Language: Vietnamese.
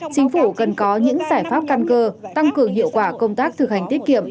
chính phủ cần có những giải pháp căn cơ tăng cường hiệu quả công tác thực hành tiết kiệm